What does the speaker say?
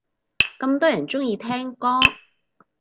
咁多人鍾意聽歌